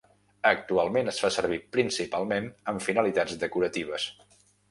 Actualment es fa servir principalment amb finalitats decoratives.